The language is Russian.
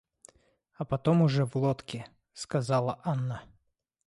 А потом уже в лодке, — сказала Анна.